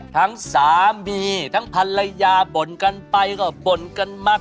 ทั้งสามีทั้งภรรยาบ่นกันไปก็บ่นกันมาก